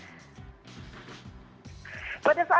bagaimana kemudian berinteraksi dengan warga sekitar